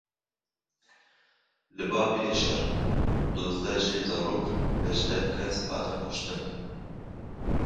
Li Babilê şer duwazdeh jê zarok hejdeh kes hatin kuştin.